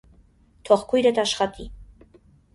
- Թող քույրդ աշխատի…